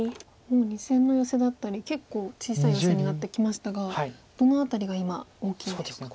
もう２線のヨセだったり結構小さいヨセになってきましたがどの辺りが今大きいですか？